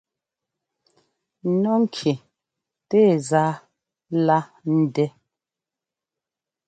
Nɔ́ ŋki tɛɛ zá lá ndɛ́.